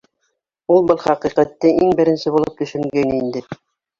Ул был хәҡиҡәтте иң беренсе булып төшөнгәйне инде.